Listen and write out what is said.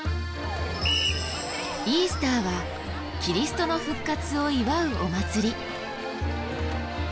イースターはキリストの復活を祝うお祭り。